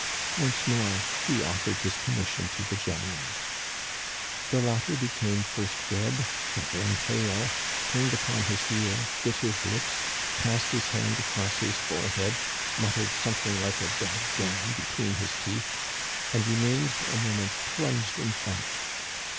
* Once more he offered his commission to the general. The latter became first red and then pale, turned upon his heel, bit his lips, passed his hand across his forehead, muttered something like a * G — d d — n !* be tween his teeth, and remained for a moment plunged in thought.